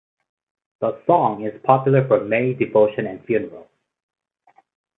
The song is popular for May devotion and funerals.